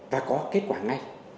và có kết quả ngay